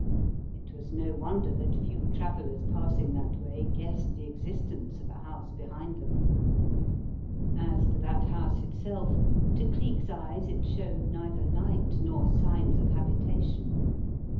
It was no wonder that few travellers passing that way guessed the existence of a house behind them. As for that house itself, to Cleek's eyes it showed 18 The Riddle of the Purple Emperor neither light nor signs of habitation.